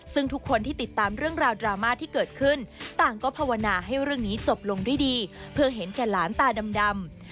ซึ่งทุกคนที่ติดตามเรื่องราวดราม่าที่เกิดขึ้นต่างก็ภาวนาให้เรื่องนี้จบลงด้วยดีเพื่อเห็นแก่หลานตาดำ